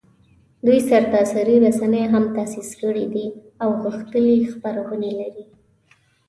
دوی سرتاسري رسنۍ هم تاسیس کړي دي او غښتلي خپرندویې لري